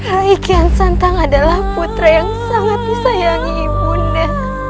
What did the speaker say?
rakyat santan adalah putra yang sangat disayangi ibunya